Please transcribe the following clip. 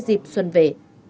dịp xuân về